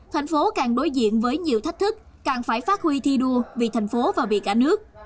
tp hcm càng đối diện với nhiều thách thức càng phải phát huy thi đua vì tp hcm và vì cả nước